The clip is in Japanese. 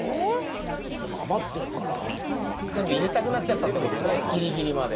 全部入れたくなっちゃったってことねギリギリまで。